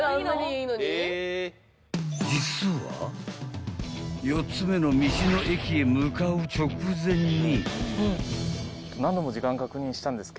［実は４つ目の道の駅へ向かう直前に］